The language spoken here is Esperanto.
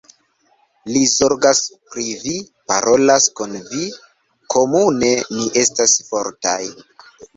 Li zorgas pri vi, parolas kun vi, komune ni estas fortaj.